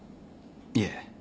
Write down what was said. いえ。